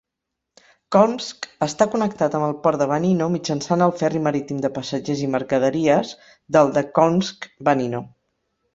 Kholmsk està connectat amb el port de Vanino mitjançant el ferri marítim de passatgers i mercaderies del de Kholmsk-Vanino.